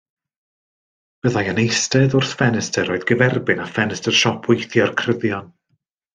Byddai yn eistedd wrth ffenestr oedd gyferbyn â ffenestr siop weithio'r cryddion.